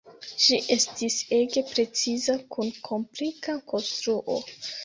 Ĝi estis ege preciza kun komplika konstruo.